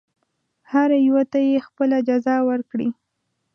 هر یوه ته یې خپله جزا ورکړي.